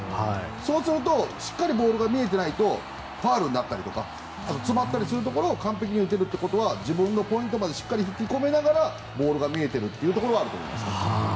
そうすると、しっかりボールが見えていないとファウルになったり詰まったりするところを完璧に打つってことは自分のタイミングに引き込んで打っていてボールが見えているところがあると思います。